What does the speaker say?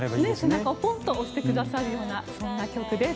背中をポンと押してくださるようなそんな曲です。